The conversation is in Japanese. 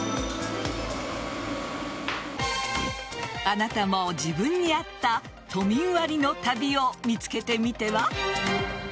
あなたも自分に合った都民割の旅を見つけてみては？